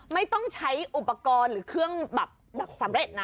ไม่ต้องใช้อุปกรณ์หรือเครื่องแบบสำเร็จนะ